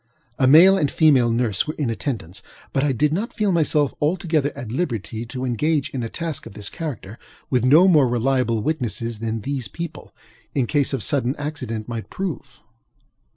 A male and a female nurse were in attendance; but I did not feel myself altogether at liberty to engage in a task of this character with no more reliable witnesses than these people, in case of sudden accident, might prove.